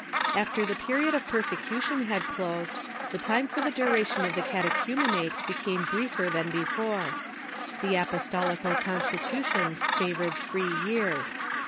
After the period of persecution had closed, the time for the duration of the catechumenate became briefer than before. The Apostolical Constitutions favored three years.